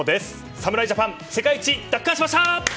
侍ジャパン世界一奪還しました！